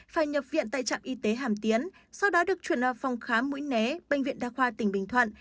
phải nhập viện tại trạm y tế hàm tiến sau đó được chuyển vào phòng khám mũi né bệnh viện đa khoa tỉnh bình thuận